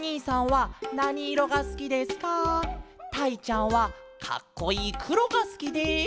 ちゃんはかっこいいくろがすきです」。